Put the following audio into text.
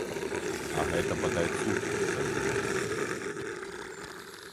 А гэта бадай цуд, сябры мае.